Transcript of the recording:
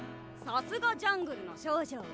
さすがジャングルの少女。